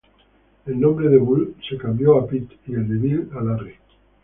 El nombre de Boule se cambió a Pete y el de Bill, a Larry.